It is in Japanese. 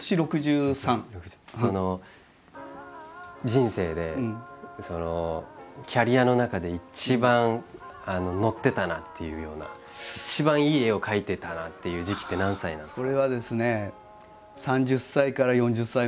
人生でキャリアの中で一番のってたなっていうような一番いい絵を描いてたなっていう時期って何歳なんですか？